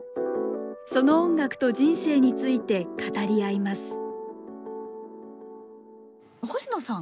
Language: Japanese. その音楽と人生について語り合います星野さん